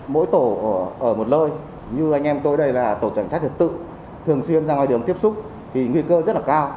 mỗi tổ ở một lơi như anh em tôi đây là tổ cảnh sát trật tự thường xuyên ra ngoài đường tiếp xúc thì nguy cơ rất là cao